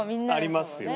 ありますよ